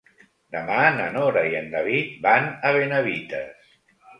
Demà na Nora i en David van a Benavites.